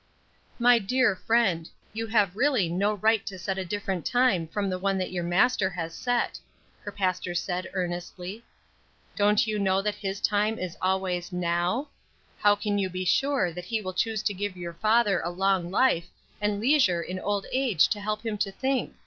"My dear friend, you have really no right to set a different time from the one that your Master has set," her pastor said, earnestly. "Don't you know that his time is always now? How can you be sure that he will choose to give your father a long life, and leisure in old age to help him to think?